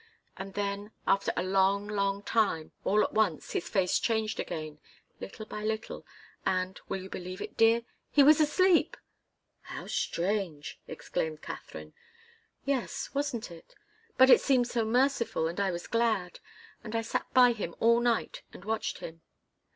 And then after a long, long time all at once, his face changed again, little by little, and will you believe it, dear? He was asleep!" "How strange!" exclaimed Katharine. "Yes wasn't it? But it seemed so merciful, and I was so glad. And I sat by him all night and watched him.